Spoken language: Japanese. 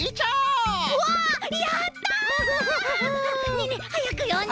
ねえねえはやくよんで！